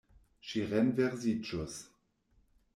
Ŝi renversiĝus.